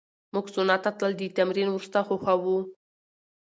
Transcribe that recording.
موږ سونا ته تلل د تمرین وروسته خوښوو.